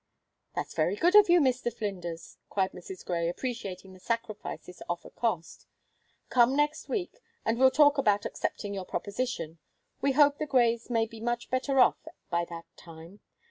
"That's very good of you, Mr. Flinders!" cried Mrs. Grey, appreciating the sacrifice this offer cost. "Come next week, and we'll talk about accepting your proposition. We hope the Greys may be much better off by that time.